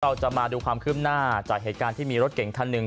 เราจะมาดูความคืบหน้าจากเหตุการณ์ที่มีรถเก่งคันหนึ่ง